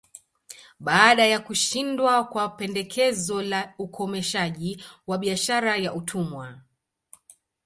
Baada ya kushindwa kwa pendekezo la ukomeshaji wa biashara ya utumwa